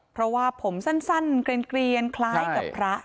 เพราะว่าผมสั้นเกลียนคล้ายกับพระ